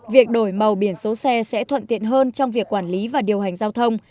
việc đổi màu biển số xe sẽ thuận tiện hơn trong việc quản lý và điều hành giao thông